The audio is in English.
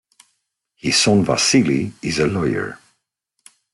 His son Vasily is a lawyer.